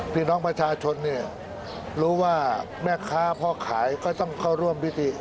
พี่น้องประชาชนเนี่ยรู้ว่าแม่ค้าพ่อขายก็ต้องเข้าร่วมพิธี